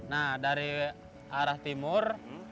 nah dari arah timur